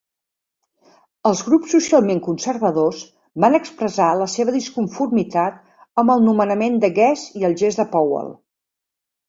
Els grups socialment conservadors van expressar la seva disconformitat amb el nomenament de Guest i el gest de Powell.